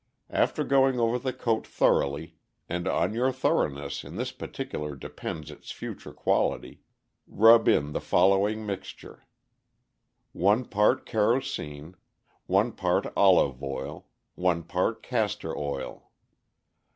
After going over the coat thoroughly (and on your thoroughness in this particular depends its future quality), rub in the following mixture: One part kerosene, one part olive oil, one part castor oil.